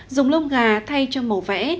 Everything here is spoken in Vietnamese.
dùng lông gà thay cho màu vẽ